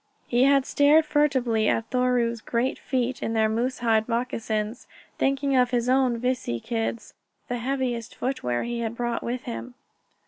He had stared furtively at Thoreau's great feet in their moose hide moccasins, thinking of his own vici kids, the heaviest footwear he had brought with him.